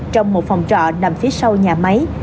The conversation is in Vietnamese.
trong một phòng trọ nằm phía sau nhà máy